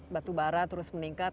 batu bara terus meningkat